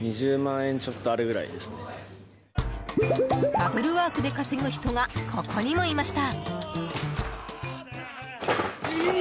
ダブルワークで稼ぐ人がここにもいました。